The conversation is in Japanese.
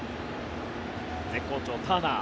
絶好調、ターナー。